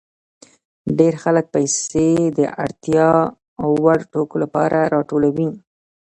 ډېر خلک پیسې د اړتیا وړ توکو لپاره راټولوي